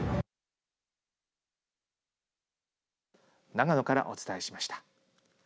長野からお伝えしました。